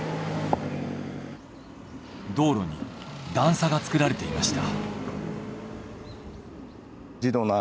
道路に段差が作られていました。